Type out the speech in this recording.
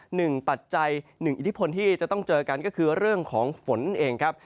ปัจจัยหนึ่งอิทธิพลที่จะต้องเจอกันก็คือเรื่องของฝนเองครับ